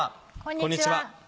こんにちは。